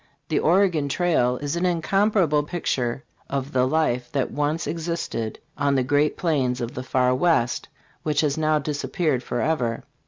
"The Oregon Trail" is an incomparable picture of the life that once ex isted on the great plains of the Far West, which has now disappeared forever.